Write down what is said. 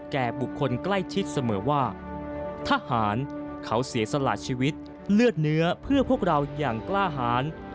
เขาเสียสละชีวิตเลือดเนื้อเพื่อพวกเรายังกล้าหาร